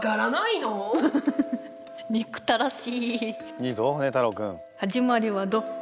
いいぞホネ太郎君。